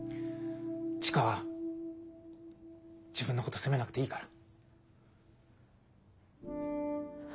千佳は自分のこと責めなくていいから。